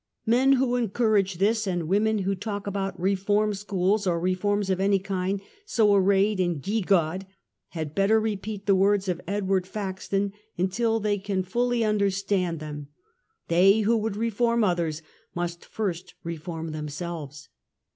Men who encourage this and women who talk .about "reform schools" or reforms of any kind so •arrayed and gewgawed, had better repeat the words of Edward Faxton until they can fully understand SOCIAL EVIL. them: ' ''Tliey loho would, reform others^ must first re form themselves.'